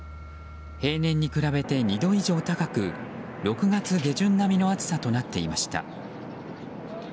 平年に比べて２度以上高く６月下旬並みの暑さとなっていました。